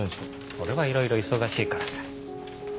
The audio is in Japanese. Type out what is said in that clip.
俺はいろいろ忙しいからさ。